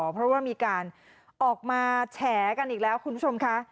เพราะว่ามีการออกมาแฉกันอีกแล้วคุณผู้ชมค่ะ